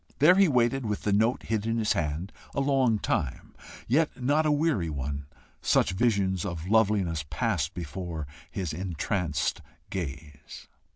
There he waited, with the note hid in his hand a long time, yet not a weary one, such visions of loveliness passed before his entranced gaze.